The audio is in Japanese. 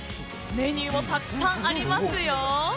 メニューもたくさんありますよ。